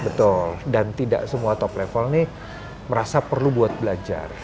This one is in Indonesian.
betul dan tidak semua top level ini merasa perlu buat belajar